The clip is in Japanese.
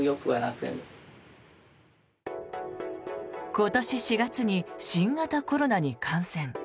今年４月に新型コロナに感染。